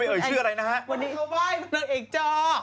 ไม่เขาว่ายนักเอกจอ